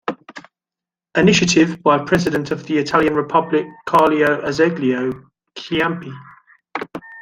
Initiative by President of the Italian Republic Carlo Azeglio Ciampi.